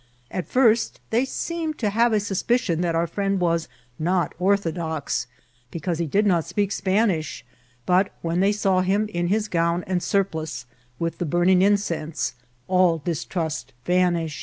At first they seemed to have a suspicion that our friend was not orthodox, because he did not speak Spanish ; but when they saw him in his gown and surplice, with the burning incense, all distrust vanished.